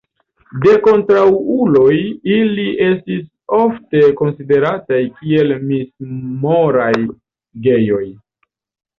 De kontraŭuloj ili estis ofte konsiderataj kiel mis-moraj gejoj.